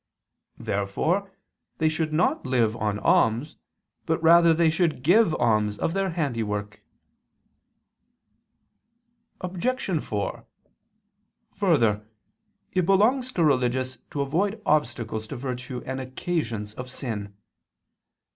Therefore they should not live on alms, but rather should they give alms of their handiwork. Obj. 4: Further, it belongs to religious to avoid obstacles to virtue and occasions of sin.